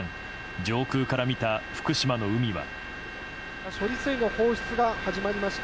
上空から見た福島の海は。